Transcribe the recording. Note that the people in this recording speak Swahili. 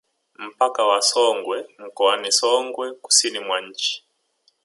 Mpaka wa Songwe mkoani Songwe kusini mwa nchi